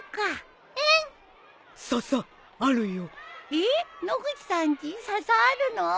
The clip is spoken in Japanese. えっ野口さんちササあるの？